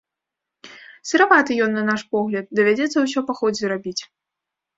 Сыраваты ён, на наш погляд, давядзецца ўсё па ходзе рабіць.